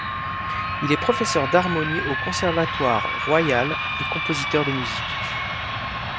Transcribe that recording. Il est professeur d'harmonie au Conservatoire royal et compositeur de musique.